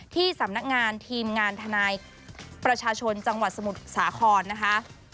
ที่สำนักงานทีมงานทนายประชาชนจังหวัดสมุทรสาครนะคะ